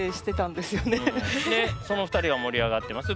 でその２人は盛り上がってます。